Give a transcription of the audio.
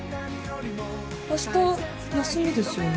明日休みですよね？